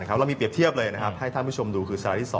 เรามีเปรียบเทียบเลยนะครับให้ท่านผู้ชมดูคือสไลด์ที่๒